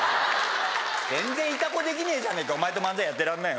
全然イタコできねえじゃねえかお前と漫才やってらんないよ